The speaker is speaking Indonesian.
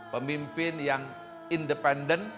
pemimpin yang independen